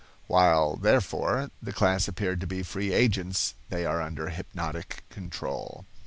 While, therefore, the class appeared to be free agents, they are under hypnotic control.